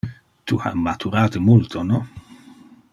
Tu ha maturate multo, no?